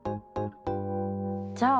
じゃあ